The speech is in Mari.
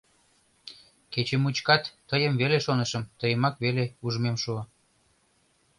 Кече мучкак тыйым веле шонышым, тыйымак веле ужмем шуо...